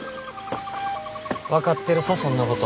分かってるさそんなこと。